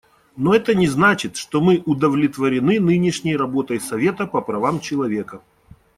Но это не значит, что мы удовлетворены нынешней работой Совета по правам человека.